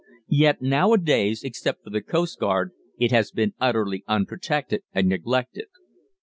Yet nowadays, except for the coastguard, it has been utterly unprotected and neglected.